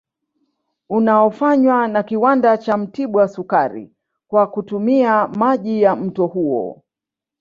Unaofanywa na Kiwanda cha Mtibwa sukari kwa kutumia maji ya mto huo